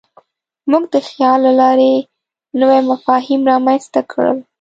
موږ د خیال له لارې نوي مفاهیم رامنځ ته کړل.